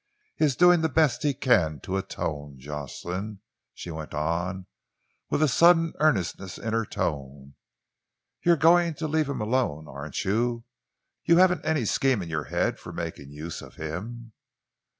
He is doing the best he can to atone. Jocelyn," she went on, with a sudden earnestness in her tone, "you're going to leave him alone, aren't you? You haven't any scheme in your head for making use of him?"